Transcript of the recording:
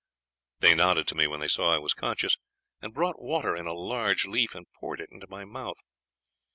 They nodded to me when they saw I was conscious, and brought water in a large leaf, and poured it into my mouth.